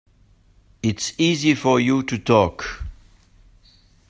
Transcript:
It's easy for you to talk.